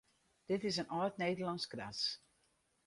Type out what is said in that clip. Dit is in âld Nederlânsk ras.